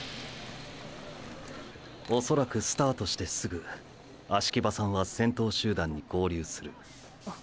おそらくスタートしてすぐ葦木場さんは先頭集団に合流する。